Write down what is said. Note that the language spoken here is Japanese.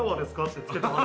って。